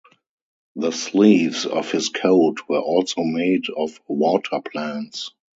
The sleeves of his coat were also made of water-plants.